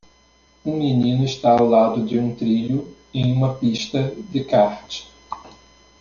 Um menino está ao lado de um trilho em uma pista de kart.